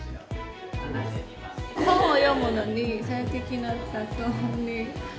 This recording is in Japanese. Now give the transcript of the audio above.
本を読むのに最適な雑音に。